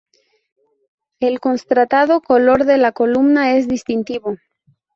El contrastado color de la columna es distintivo.